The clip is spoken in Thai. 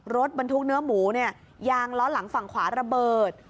รถบรรทุกเนื้อหมูเนี่ยยางล้อหลังฝั่งขวาระเบิด